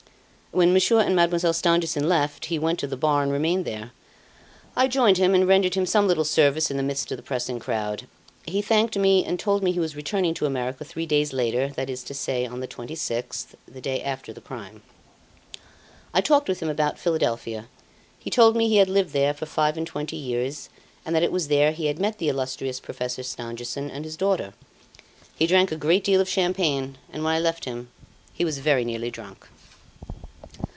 When Monsieur and Mademoiselle Stangerson left, he went to the bar and remained there. I joined him, and rendered him some little service in the midst of the pressing crowd. He thanked me and told me he was returning to America three days later, that is to say, on the 26th (the day after the crime). I talked with him about Philadelphia; he told me he had lived there for five and twenty years, and that it was there he had met the illustrious Professor Stangerson and his daughter. He drank a great deal of champagne, and when I left him he was very nearly drunk.